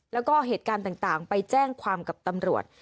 แล้วก็เหตุการณ์ต่างไปแจ้งความกับตำรวจ